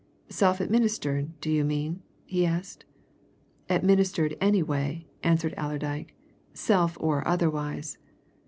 "Self administered, do you mean?" he asked. "Administered any way," answered Allerdyke. "Self or otherwise."